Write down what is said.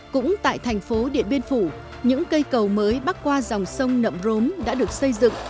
cũng tại thành phố điện biên phủ những cây cầu mới bắc qua dòng sông nậm rốm đã được xây dựng